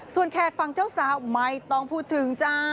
ส่วนแขกฝั่งเจ้าสาวไม่ต้องพูดถึงจ้า